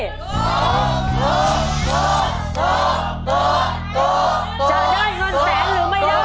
จะได้เงินแสนหรือไม่ได้